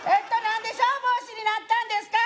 何で消防士になったんですか？